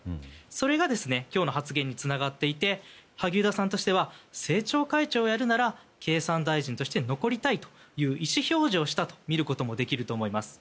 それが今日の発言につながっていて萩生田さんとしては政調会長をやるなら経産大臣として残りたいという意思表示をしたとも見ることができると思います。